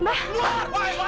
pak rt pak rt